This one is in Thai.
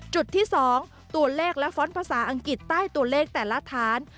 จุดที่๒ตัวเลขและฟ้อนต์ภาษาอังกฤษใต้ตัวเลขแต่ละฐาน